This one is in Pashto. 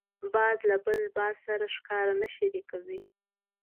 باز له بل باز سره ښکار نه شریکوي